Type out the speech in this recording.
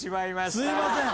すいません！